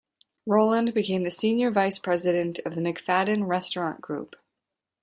Roland became the senior vice president of the McFaddin restaurant group.